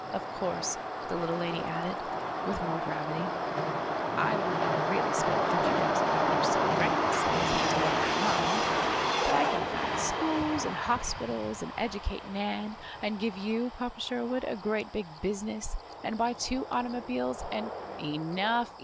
"Of course," the little lady added, with more gravity, "I wouldn't really spend fifty thousand dollars so recklessly as I do in my mind. But I can found schools, and hospitals, and educate Nan, and give you, Papa Sherwood, a great big business, and buy two automobiles, and " "Enough!